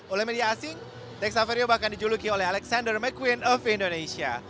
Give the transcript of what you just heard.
oleh media asing teks saverio bahkan dijuluki oleh alexander mcquine of indonesia